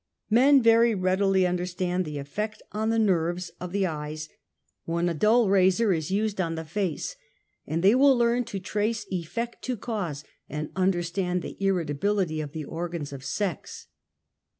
Men very readily understand the aftect on the ^ nerves of the eyes when a dull razor is used on the 60 UNMASKED. face, and thej will learn to trace effect to cause and [understand the irritability of the organs of sex.